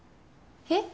えっ？